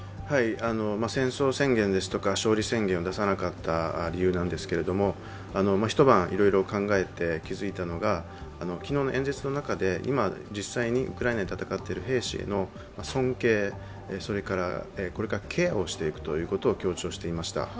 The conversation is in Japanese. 戦争宣言ですとか勝利宣言を出さなかった理由ですけど一晩、いろいろ考えて気付いたのが昨日の演説の中で今、実際にウクライナで戦っている兵士への尊敬、それからこれからケアをしていくと強調していました。